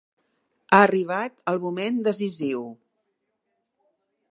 Ha arribat el moment decisiu.